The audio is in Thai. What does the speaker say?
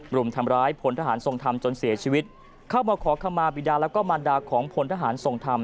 รุมทำร้ายพลทหารทรงธรรมจนเสียชีวิตเข้ามาขอขมาบิดาแล้วก็มารดาของพลทหารทรงธรรม